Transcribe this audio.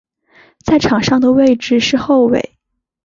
在场上的位置是后卫。